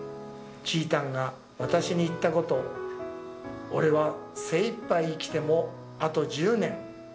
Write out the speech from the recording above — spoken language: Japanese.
ちーたんが私に言ったこと、俺は精いっぱい生きても、あと１０年。